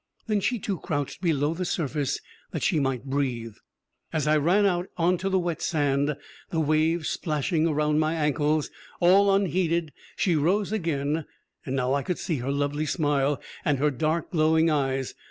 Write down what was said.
Then she too crouched below the surface that she might breathe. As I ran out onto the wet sand, the waves splashing around my ankles all unheeded, she rose again, and now I could see her lovely smile, and her dark, glowing eyes.